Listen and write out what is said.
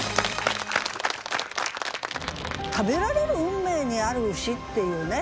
食べられる運命にある牛っていうね